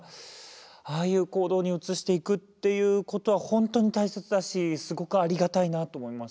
ああいう行動に移していくっていうことは本当に大切だしすごくありがたいなと思います。